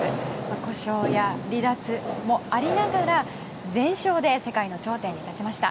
故障や離脱もありながら全勝で世界の頂点に立ちました。